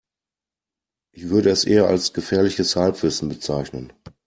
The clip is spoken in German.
Ich würde es eher als gefährliches Halbwissen bezeichnen.